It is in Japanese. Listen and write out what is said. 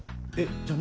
じゃあ何？